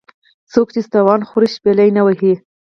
ـ څوک چې ستوان خوري شپېلۍ نه وهي .